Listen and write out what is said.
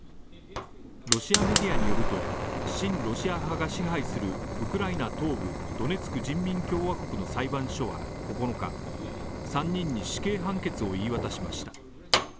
ロシアメディアによると親ロシア派が支配する、ウクライナ東部ドネツク人民共和国の裁判所は９日、３人に死刑判決を言い渡しました。